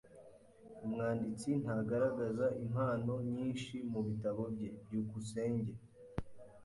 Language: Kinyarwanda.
Umwanditsi ntagaragaza impano nyinshi mubitabo bye. byukusenge